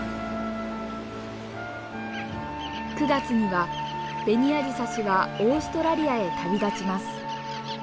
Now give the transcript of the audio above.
９月にはベニアジサシはオーストラリアへ旅立ちます。